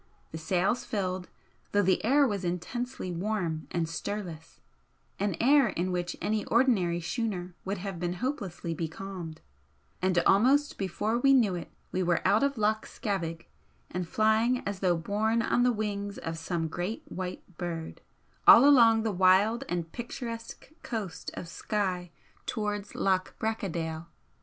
The sails filled, though the air was intensely warm and stirless an air in which any ordinary schooner would have been hopelessly becalmed, and almost before we knew it we were out of Loch Scavaig and flying as though borne on the wings of some great white bird, all along the wild and picturesque coast of Skye towards Loch Bracadale.